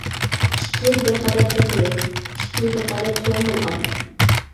ئىككى يىل بىرقەدەر يۇقىرى، ئىككى يىل بىرقەدەر تۆۋەن بولغان.